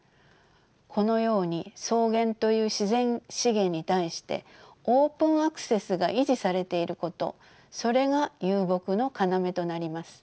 このように草原という自然資源に対してオープン・アクセスが維持されていることそれが遊牧の要となります。